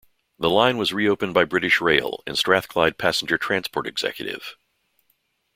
The line was reopened by British Rail and Strathclyde Passenger Transport Executive.